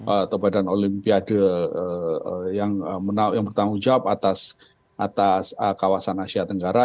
atau badan olimpiade yang bertanggung jawab atas kawasan asia tenggara